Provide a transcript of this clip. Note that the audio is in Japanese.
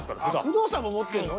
工藤さんも持ってるの？